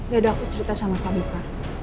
ya udah aku cerita sama pak buka